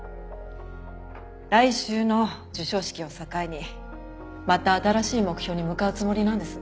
来週の授賞式を境にまた新しい目標に向かうつもりなんです。